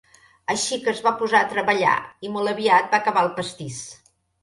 Així que es va posar a treballar, i molt aviat va acabar el pastís.